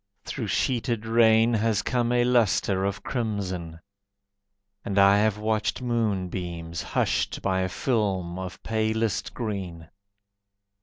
Through sheeted rain Has come a lustre of crimson, And I have watched moonbeams Hushed by a film of palest green.